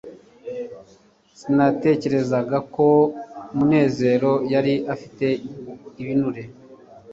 sinatekerezaga ko munezero yari afite ibinure